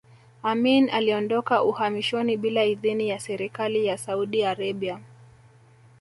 Amin aliondoka uhamishoni bila idhini ya serikali ya Saudi Arabia